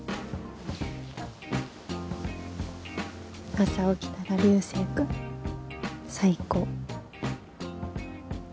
朝起きたら流星君最高。